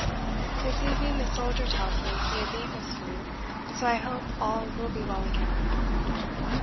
This evening the Soldier tells me he has eaten his food, so I hope all be well again.